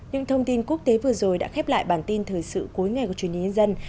những thông tin quốc tế vừa rồi đã khép lại bản tin thời sự cuối ngày của trung quốc